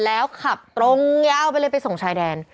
แล้วขับตรงยาวไปเลยไปส่งชายแดน